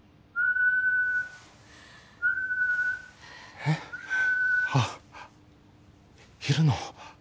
えっ？あっいるの？